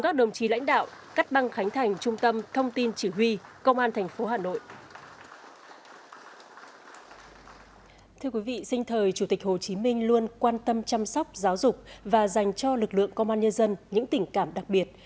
chăm sóc giáo dục và dành cho lực lượng công an nhân dân những tình cảm đặc biệt